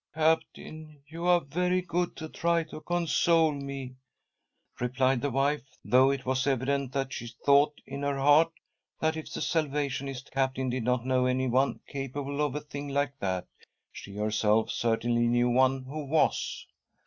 " Captain, you are very good to try to console me," replied the wife, though it was evident that she thought in her heart that if the Salvationist Captain did not know anyone capable of a thing like that, she herself certainly knew one who was.